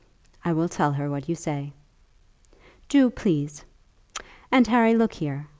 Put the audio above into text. "I will tell her what you say." "Do, please; and, Harry, look here.